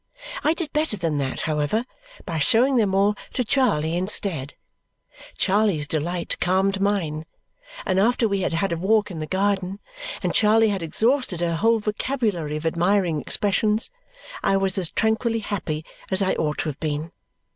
I did better than that, however, by showing them all to Charley instead. Charley's delight calmed mine; and after we had had a walk in the garden, and Charley had exhausted her whole vocabulary of admiring expressions, I was as tranquilly happy as I ought to have been.